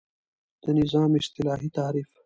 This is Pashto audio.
د نظام اصطلاحی تعریف